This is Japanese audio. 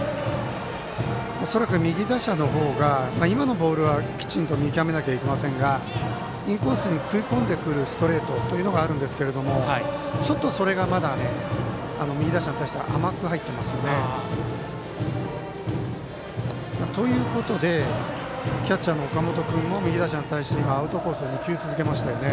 恐らく右打者の方が今のボールはきちんと見極めなきゃいけませんがインコースに食い込んでくるストレートがあるんですがちょっとそれがまだ右打者に対して甘く入っていますね。ということで、キャッチャーの岡本君も右打者に対して、今アウトコースを２球続けましたね。